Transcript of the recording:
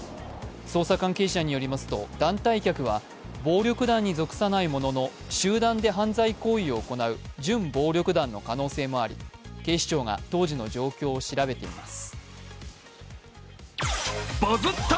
捜査関係者によりますと、団体客は暴力団に属さないものの集団で犯罪行為を行う準暴力団の可能性もあり、警視庁が当時の状況を調べています。